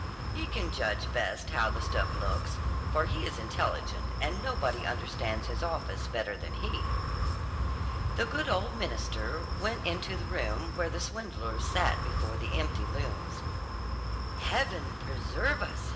"He can judge best how the stuff looks, for he is intelligent, and nobody understands his office better than he." The good old minister went into the room where the swindlers sat before the empty looms. "Heaven preserve us!"